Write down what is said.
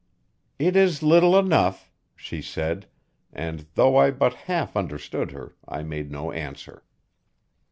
"It is little enough," she said; and though I but half understood her, I made no answer.